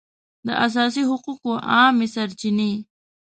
د اساسي حقوقو عامې سرچینې